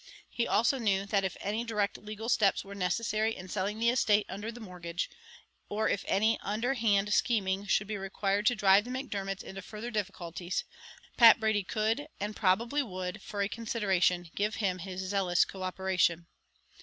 He also knew that if any direct legal steps were necessary in selling the estate under the mortgage, or if any underhand scheming should be required to drive the Macdermots into further difficulties, Pat Brady could, and probably would for a consideration give him his zealous co operation.